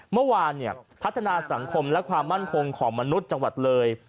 เมื่อวานพัฒนาสังคมและความมั่นคงของมนุษย์จังหวัดเลย